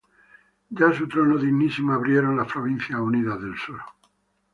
Ya su trono dignisimo abrieron, las Provincias Unidas del sur,